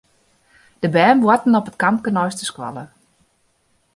De bern boarten op it kampke neist de skoalle.